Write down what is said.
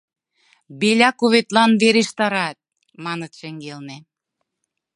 «Беляковетлан верештарат», — маныт шеҥгелне.